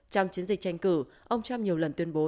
trong chiến dịch tranh cử ông trump nhiều lần tuyên bố